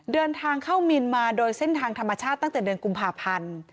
เดินทางเข้ามินมาโดยเส้นทางธรรมชาติตั้งแต่เดือนกุมภาพันธ์